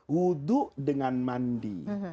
wudhu dengan mandi